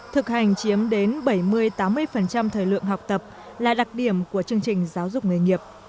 thực hành chiếm đến bảy mươi tám mươi thời lượng học tập là đặc điểm của chương trình giáo dục nghề nghiệp